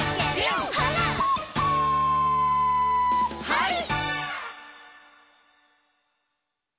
「はい！」